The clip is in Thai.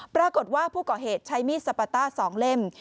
ปรากฏว่าผู้ก่อเหตุใช้มีดสปาต้า๒เล่ม